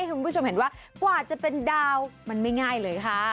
ขอบคุณคุณผู้ชมด้วยคลิปน่ารักให้คุณผู้ชมเห็นว่ากว่าจะเป็นดาวมันไม่ง่ายเลยค่ะ